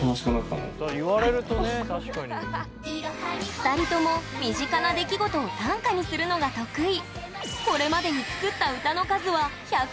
２人とも身近な出来事を短歌にするのが得意。